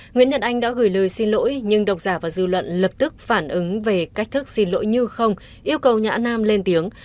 nguyễn nhật anh đã gửi lời xin lỗi nhưng độc giả và dư luận lập tức phản ứng về cách thức xin lỗi như không yêu cầu nhã nam lên tiếng